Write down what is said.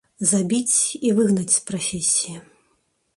Забіць і выгнаць з прафесіі!